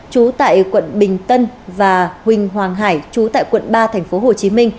trú tại quận bình tân và huỳnh hoàng hải chú tại quận ba tp hcm